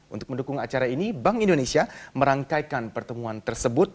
untuk mendukung acara ini bank indonesia merangkaikan pertemuan tersebut